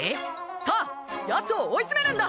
さぁやつを追い詰めるんだ！